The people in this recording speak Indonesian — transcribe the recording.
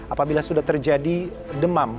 apabila sudah terjadi demam